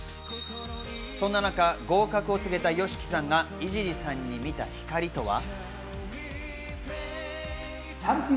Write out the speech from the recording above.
そんな中、合格を告げたＹＯＳＨＩＫＩさんが井尻さんに見た光とは？